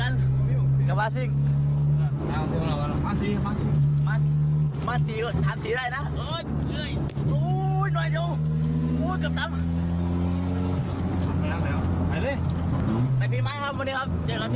สวัสดีครับ